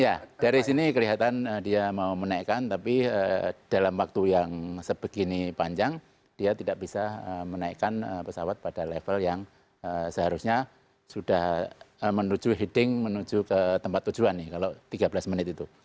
ya dari sini kelihatan dia mau menaikkan tapi dalam waktu yang sebegini panjang dia tidak bisa menaikkan pesawat pada level yang seharusnya sudah menuju heading menuju ke tempat tujuan nih kalau tiga belas menit itu